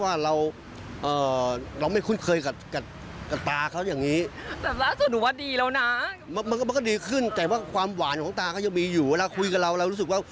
เวลาคุยกับเราเรารู้สึกว่า